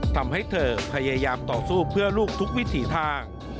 ทำให้เธอพยายามต่อสู้เพื่อลูกทุกวิถีทาง